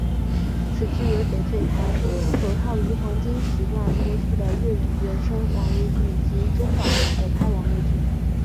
此剧为翡翠台首套于黄金时段播出的粤语原声网络剧及中港合拍网络剧。